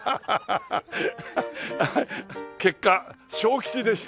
結果小吉でした。